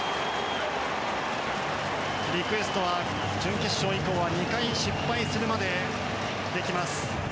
リクエストは準決勝以降は２回失敗するまでできます。